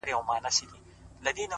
خو خپه كېږې به نه ـ